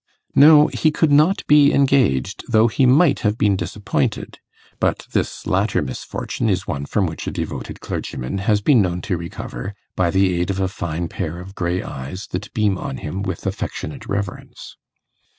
No! he could not be engaged, though he might have been disappointed. But this latter misfortune is one from which a devoted clergyman has been known to recover, by the aid of a fine pair of grey eyes that beam on him with affectionate reverence.